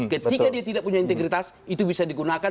ketika dia tidak punya integritas itu bisa digunakan